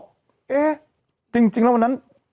เอ๊ะจริงแล้ววันนั้น